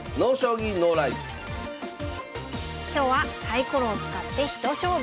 今日はサイコロを使って一勝負。